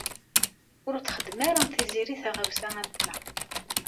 Ur txeddem ara Tiziri taɣawsa am ta.